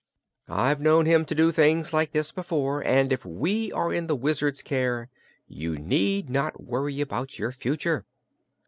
I've known him to do things like this before, and if we are in the Wizard's care you need not worry about your future."